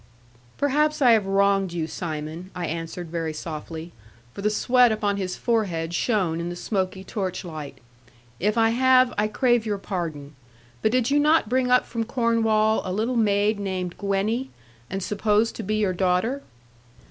'Perhaps I have wronged you, Simon,' I answered very softly; for the sweat upon his forehead shone in the smoky torchlight; 'if I have, I crave your pardon. But did you not bring up from Cornwall a little maid named "Gwenny," and supposed to be your daughter?'